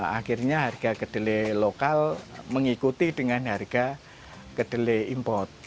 akhirnya harga kedelai lokal mengikuti dengan harga kedelai impor